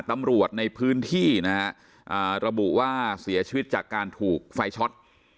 ตำรวจในพื้นที่นะฮะระบุว่าเสียชีวิตจากการถูกไฟช็อต